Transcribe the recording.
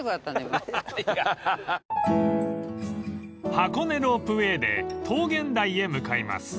［箱根ロープウェイで桃源台へ向かいます］